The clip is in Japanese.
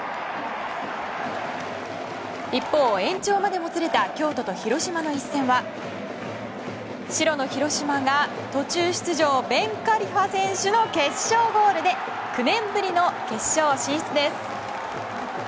一方、延長までもつれた京都と広島の一戦は白の広島が途中出場ベン・カリファ選手の決勝ゴールで９年ぶりの決勝進出です。